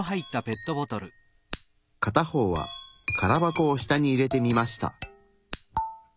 片方は空箱を下に入れてみました。